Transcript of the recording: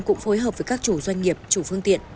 cũng phối hợp với các chủ doanh nghiệp chủ phương tiện